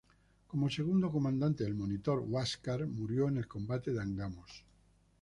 Como segundo comandante del monitor "Huáscar", murió en el combate de Angamos.